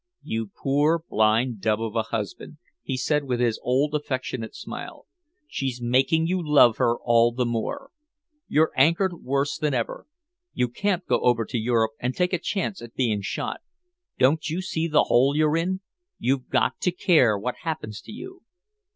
"You poor blind dub of a husband," he said with his old affectionate smile, "she's making you love her all the more. You're anchored worse than ever. You can't go over to Europe and take a chance at being shot. Don't you see the hole you're in? You've got to care what happens to you."